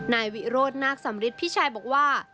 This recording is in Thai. นายวิโรธนาคสำริทพี่ชายบอกว่า